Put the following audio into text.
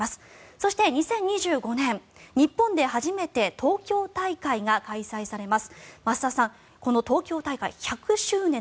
そして、２０２５年日本で初めて東京大会が開催されます。